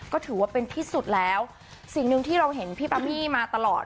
ก็ถือว่าเป็นที่สุดแล้วสิ่งหนึ่งที่เราเห็นพี่ปามี่มาตลอด